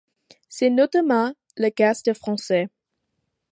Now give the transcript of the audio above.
C'est notamment le cas du français.